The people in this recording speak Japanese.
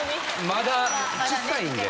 まだちっさいんで。